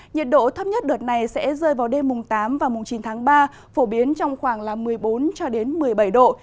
nhiệt độ thấp nhất đợt này sẽ rơi vào đêm mùng tám và mùng chín tháng ba phổ biến trong khoảng một mươi bốn một mươi bảy độ